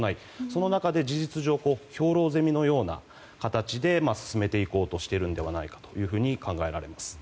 その中で事実上、兵糧攻めのような形で進めていこうとしているのではないかと考えられます。